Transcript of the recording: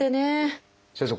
先生。